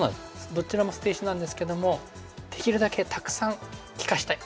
どちらも捨て石なんですけどもできるだけたくさん利かしたい。